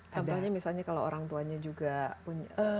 contohnya misalnya kalau orang tuanya juga punya